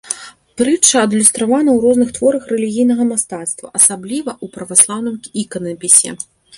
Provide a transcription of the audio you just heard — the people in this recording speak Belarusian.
Прытча адлюстравана ў розных творах рэлігійнага мастацтва, асабліва ў праваслаўным іканапісе.